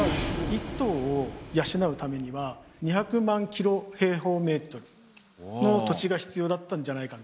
１頭を養うためには２００万キロ平方メートルの土地が必要だったんじゃないかみたいな。